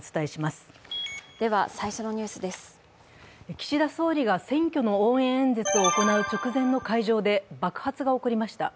岸田総理が選挙の応援演説を行う直前の会場で爆発が起こりました。